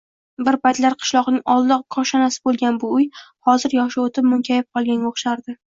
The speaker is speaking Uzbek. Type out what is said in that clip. Bir paytlar qishloqning oldi koshonasi boʻlgan bu uy hozir yoshi oʻtib, munkayib qolganga oʻxshardi.